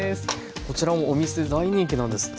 こちらもお店で大人気なんですって？